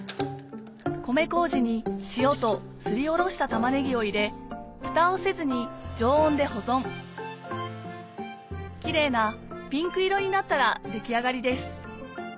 米麹に塩とすりおろした玉ねぎを入れキレイなピンク色になったら出来上がりです